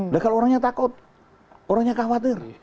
maka orangnya takut orangnya khawatir